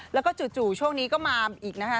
แล้วก็จู่ช่วงนี้ก็มาอีกนะคะ